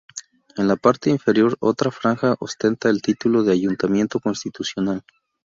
En la parte inferior otra franja ostenta el título de "Ayuntamiento Constitucional".